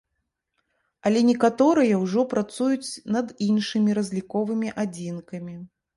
Але некаторыя ўжо працуюць над іншымі разліковымі адзінкамі.